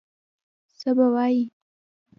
څه به وایي.